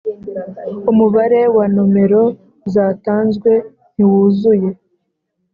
Umubare wa nomero zatanzwe ntiwuzuye